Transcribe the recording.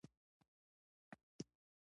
هغه د خپل خوب لپاره مالونه پریږدي.